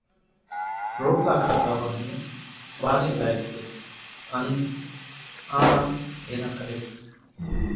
روٽلا کاڌا وانھين ٻارين زائي سي ان سانڻان ڀيران ڪري سي،